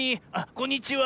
こんにちは。